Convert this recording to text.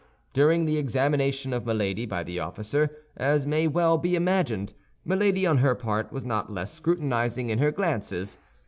During the examination of Milady by the officer, as may well be imagined, Milady on her part was not less scrutinizing in her glances.